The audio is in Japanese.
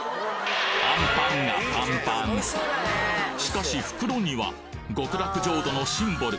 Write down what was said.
アンパンがしかし袋には極楽浄土のシンボル